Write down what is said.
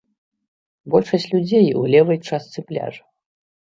Большасць людзей у левай частцы пляжа.